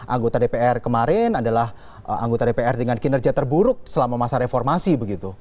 anggota dpr kemarin adalah anggota dpr dengan kinerja terburuk selama masa reformasi begitu